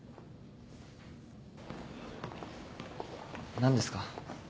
何ですか？